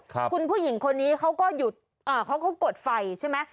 คุณผู้หญิงคนนี้เขาก็หยุดอ่าเขาก็กดไฟใช่ไหม